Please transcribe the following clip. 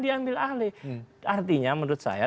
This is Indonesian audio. diambil alih artinya menurut saya